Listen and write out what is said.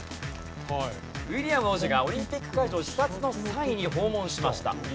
ウィリアム王子がオリンピック会場視察の際に訪問しました。